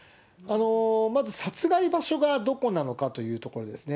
まず、殺害場所がどこなのかというところですね。